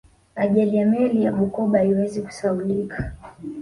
ajali ya meli ya bukoba haiwezi kusahaulika